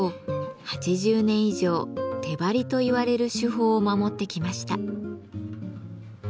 ８０年以上「手貼り」といわれる手法を守ってきました。